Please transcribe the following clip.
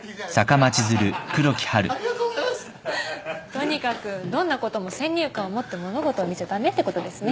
とにかくどんなことも先入観を持って物事を見ちゃ駄目ってことですね。